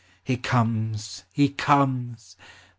He comes ! he comes